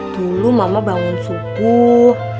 dulu mama bangun subuh